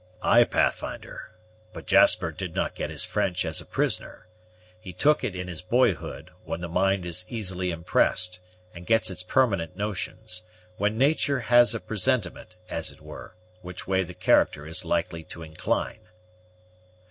"Ay Pathfinder; but Jasper did not get his French as a prisoner: he took it in his boyhood, when the mind is easily impressed, and gets its permanent notions; when nature has a presentiment, as it were, which way the character is likely to incline."